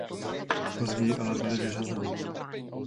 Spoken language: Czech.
Později ale byly vyřazeny.